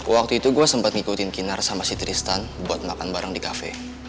waktu itu gue sempat ngikutin kinar sama si tristan buat makan bareng di kafe